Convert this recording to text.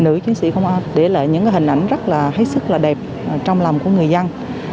nữ chiến sĩ công an để lại những hình ảnh rất là hết sức là đẹp trong lòng của người dân